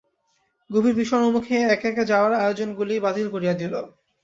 গভীর বিষন্নমুখে একে একে যাওয়ার আয়োজনগুলি বাতিল করিয়া দিল।